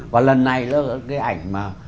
và lần này nó là cái ảnh mà